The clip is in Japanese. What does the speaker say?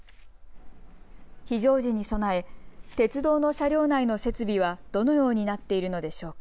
非常時に備え鉄道の車両内の設備はどのようになっているのでしょうか。